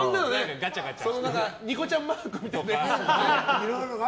ニコちゃんマークみたいな。